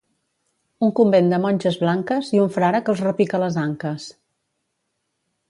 Un convent de monges blanques i un frare que els repica les anques.